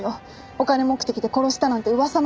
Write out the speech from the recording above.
「お金目的で殺した」なんて噂まで立って。